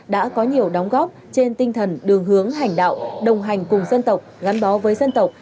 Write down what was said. đã có nhiều đóng góp trên tinh thần đường hướng hành đạo đồng hành cùng dân tộc gắn bó với dân tộc